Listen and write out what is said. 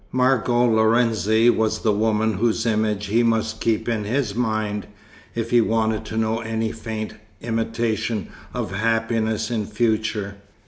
Margot Lorenzi was the woman whose image he must keep in his mind, if he wanted to know any faint imitation of happiness in future.